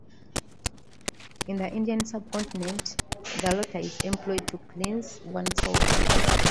In the Indian subcontinent, the lota is employed to cleanse oneself.